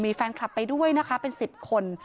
มีแฟนคลับไปด้วยนะคะเป็น๑๐คน